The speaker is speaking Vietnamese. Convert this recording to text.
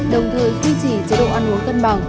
đồng thời duy trì chế độ ăn uống cân bằng